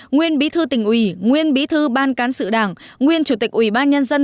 nguyên bí thư tỉnh ủy nguyên bí thư ban cán sự đảng nguyên chủ tịch ủy ban nhân dân